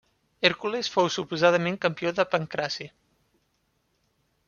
Hèrcules fou suposadament campió de pancraci.